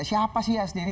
siapa sih hasnani